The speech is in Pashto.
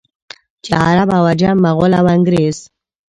چې عرب او عجم، مغل او انګرېز.